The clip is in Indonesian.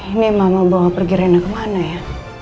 ini mama bawa pergi renah kemana ya